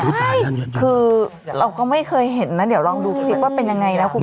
คือเราก็ไม่เคยเห็นนะเดี๋ยวลองดูคลิปว่าเป็นยังไงนะคุณผู้ชม